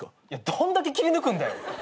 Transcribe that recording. どんだけ切り抜くんだよ。